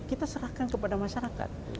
kita serahkan kepada masyarakat